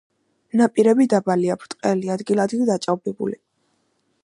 ნაპირები დაბალია, ბრტყელი, ადგილ-ადგილ დაჭაობებული.